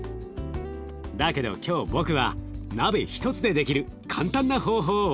だけど今日僕は鍋一つでできる簡単な方法をお教えします。